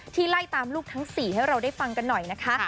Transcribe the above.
ไล่ตามลูกทั้ง๔ให้เราได้ฟังกันหน่อยนะคะ